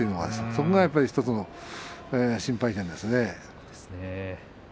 そこが１つの心配点です。